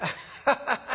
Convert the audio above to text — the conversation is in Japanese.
ハハハッ。